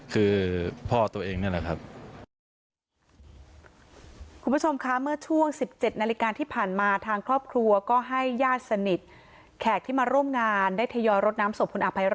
คือพ่อตัวเองนี่แหละครับ